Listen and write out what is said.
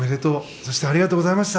そしてありがとうございました。